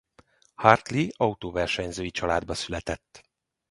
Hartley autóversenyzői családba született.